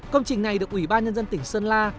công trình này được ủy ban nhân dân tỉnh sơn la